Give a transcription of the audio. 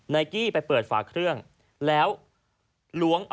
เนกกี้ไปเปิดฝาเครื่อง